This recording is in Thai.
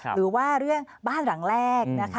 หรือว่าเรื่องบ้านหลังแรกนะคะ